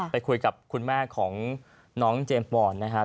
ไปคุยกับคุณแม่ของน้องเจมส์ปอนด์นะครับ